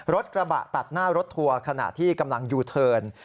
รถกระบะตัดหน้ารถทัวร์ขณะที่กำลังยูเทิร์น